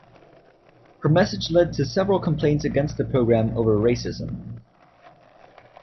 Her message led to several complaints against the programme over racism.